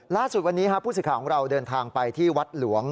ล่าสุดวันนี้ผู้สื่อข่าวของเราเดินทางไปที่วัดหลวง